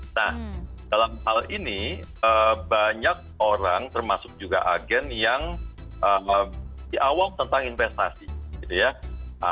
nah dalam hal ini banyak orang termasuk juga agen yang di awal tentang investasi gitu ya